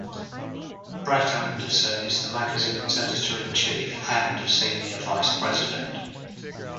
Brett Anderson is the magazine's editor in chief and a senior vice president.